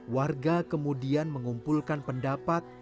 warga kemudian mengumpulkan pendapat